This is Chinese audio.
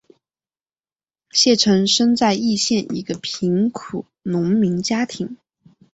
谢臣生在易县一个贫苦农民家庭。